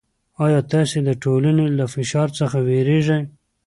آیا تاسې د ټولنې له فشار څخه وېرېږئ؟